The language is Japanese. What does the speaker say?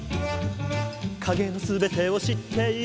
「影の全てを知っている」